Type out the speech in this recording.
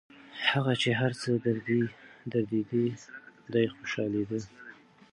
هغه چي هر څه دردېدی دی خوشحالېدی